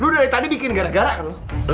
lo udah dari tadi bikin garak garak kan lo